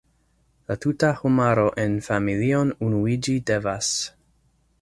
La tuta homaro en familion unuiĝi devas.